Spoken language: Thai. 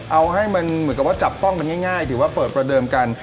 เอาให้มันเหมือนกับว่าจับต้องกันง่ายถือว่าเปิดประเดิมกัน